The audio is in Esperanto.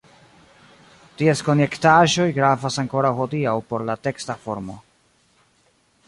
Ties konjektaĵoj gravas ankoraŭ hodiaŭ por la teksta formo.